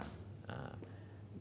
dan juga pusat keuangan di singapura